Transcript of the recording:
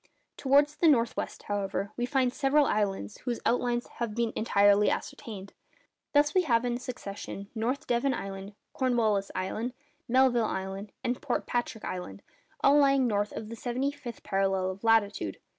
Towards the north west, however, we find several islands whose outlines have been entirely ascertained. Thus we have in succession North Devon Island, Cornwallis Island, Melville Island, and Port Patrick Island, all lying north of the seventy fifth parallel of latitude.